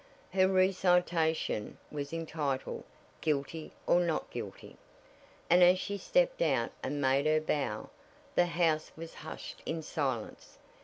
Her recitation was entitled "Guilty or Not Guilty?" and as she stepped out and made her bow, the house was hushed in silence.